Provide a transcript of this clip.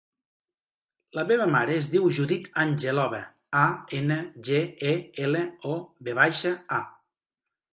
La meva mare es diu Judith Angelova: a, ena, ge, e, ela, o, ve baixa, a.